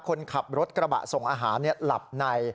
คนขับรถกระบะส่งอาหารหลับใน